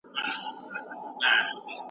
چي لا به نوري څه کانې کیږي